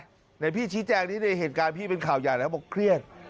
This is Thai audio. ไหนพี่ชี้แจงนี้ในเหตุการณ์พี่เป็นข่าวใหญ่แล้วบอกเครียด